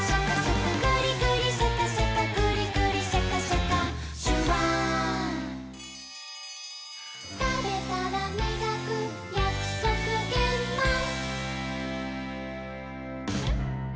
「グリグリシャカシャカグリグリシャカシャカ」「シュワー」「たべたらみがくやくそくげんまん」